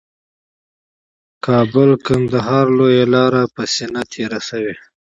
کابل قندهار لویه لاره یې په سینه تېره شوې